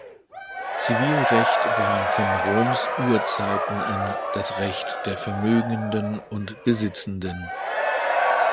Zivilrecht war von Roms Urzeiten an das Recht der Vermögenden und Besitzenden.